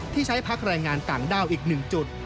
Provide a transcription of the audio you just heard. ที่ใช้พักแรงงานต่างด้าวอีก๑จุด